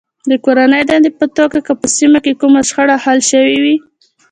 د کورنۍ دندې په توګه که په سیمه کې کومه شخړه حل شوې وي.